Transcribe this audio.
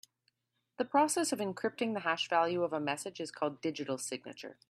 The process of encrypting the hash value of a message is called digital signature.